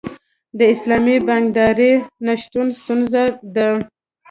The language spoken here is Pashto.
د اسلامي بانکدارۍ نشتون ستونزه ده.